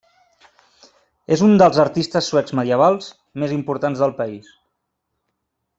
És un dels artistes suecs medievals més importants del país.